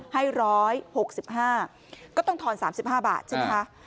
ให้๑๖๕ก็ต้องทอน๓๕บาทใช่ไหมคะ